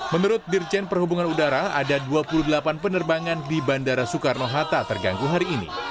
menurut dirjen perhubungan udara ada dua puluh delapan penerbangan di bandara soekarno hatta terganggu hari ini